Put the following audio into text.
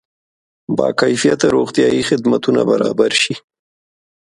با کیفیته روغتیایي خدمتونه برابر شي.